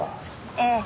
ええ。